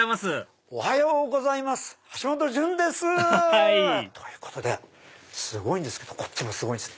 はいということですごいんですけどこっちもすごいんす。